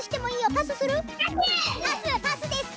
パスです。